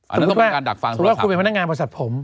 อันนี้ต้องเป็นการดักฟังสมมุติว่าคุณเป็นพนักงานบริษัทผม